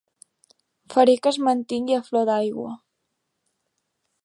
Faré que es mantingui a flor d'aigua.